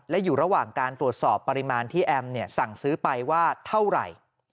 และอยู่ระหว่างการตรวจสอบปริมาณที่แอมสั่งซื้อไปว่าเท่าไหร่